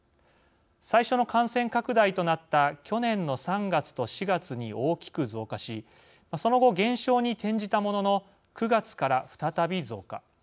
最初の感染拡大となった去年の３月と４月に大きく増加しその後、減少に転じたものの９月から再び増加。